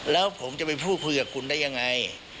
แล้วผมจะไปพูดคุยกับคุณได้ยังไง